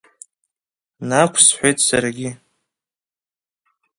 Нақәсҳәеит саргьы.